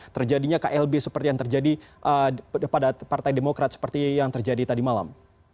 terjadinya klb seperti yang terjadi pada partai demokrat seperti yang terjadi tadi malam